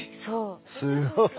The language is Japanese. すごい。